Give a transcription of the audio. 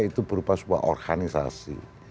itu berupa sebuah organisasi